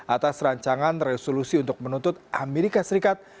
atas rancangan resolusi untuk menuntut amerika serikat